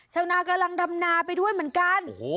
ชาวนากำลังดำนาไปด้วยเหมือนกัน